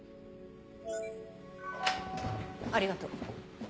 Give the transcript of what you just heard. ありがとう。